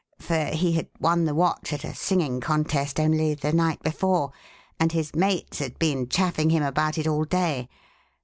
for he had won the watch at a singing contest only the night before, and his mates had been chaffing him about it all day.